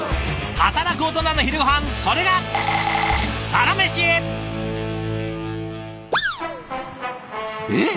働くオトナの昼ごはんそれがえっ？